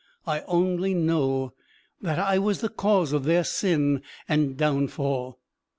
I only know that I was the cause of their sin and downfall.